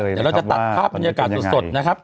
เดี๋ยวเราจะตัดภาพบรรยากาศสดนะครับ